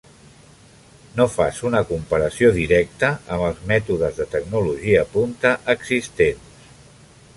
No fas una comparació directa amb els mètodes de tecnologia punta existents.